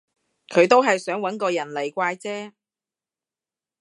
佢都係想搵個人嚟怪啫